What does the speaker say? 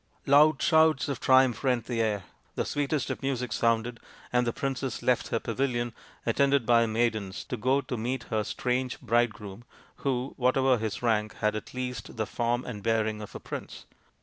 Loud shouts of triumph rent the air, the sweetest of music sounded, and the princess left her pavilion, attended by her maidens, to go to meet her strange bridegroom, who, whatever his rank, had at least the form and bearing of a prince.